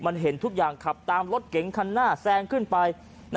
มันเห็นทุกอย่างขับตามรถเก๋งคันหน้าแซงขึ้นไป